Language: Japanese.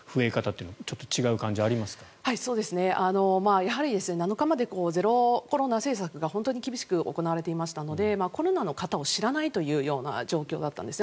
やはり７日までゼロコロナ政策が本当に厳しく行われていましたのでコロナの方を知らないという状況だったんですね。